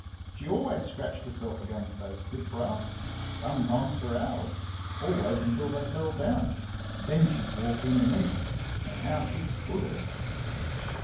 She always scratched herself against those slip rails sometimes for hours always until they fell down. Then she'd walk in and eat. And how she COULD eat!